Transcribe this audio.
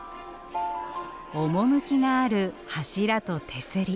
趣がある柱と手すり。